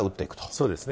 そうですね。